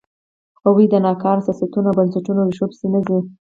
هغوی د ناکاره سیاستونو او بنسټونو ریښو پسې نه ځي.